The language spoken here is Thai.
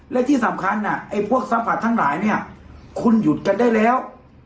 และที่สำคัญไอ้พวกสัมผัสทั้งหลายเนี่ยคุณหยุดกันได้แล้ว